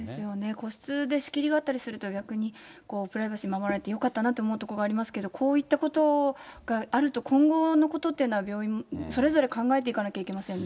個室で仕切りがあったりすると、やっぱりプライバシー守られてよかったなと思うところがありますけど、こういったことがあると、今後のことっていうのは、病院もそれぞれ考えていかないといけませんね。